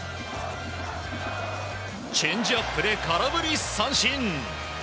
チェンジアップで空振り三振！